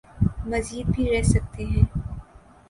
مزید بھی رہ سکتے ہیں۔